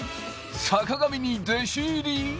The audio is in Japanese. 坂上に弟子入り？